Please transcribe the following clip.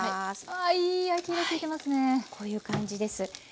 はいこういう感じです。